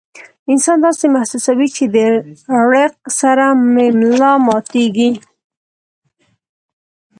انسان داسې محسوسوي چې د ړق سره مې ملا ماتيږي